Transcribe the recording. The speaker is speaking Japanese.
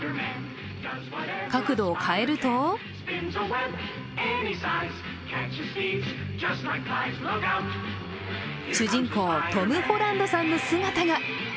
角度を変えると主人公、トム・ホランドさんの姿が。